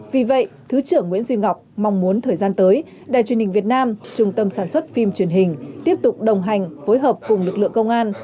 vì vậy thứ trưởng nguyễn duy ngọc mong muốn thời gian tới đài truyền hình việt nam trung tâm sản xuất phim truyền hình tiếp tục đồng hành phối hợp cùng lực lượng công an